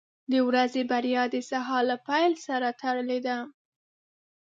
• د ورځې بریا د سهار له پیل سره تړلې ده.